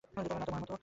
না, তোমার মত।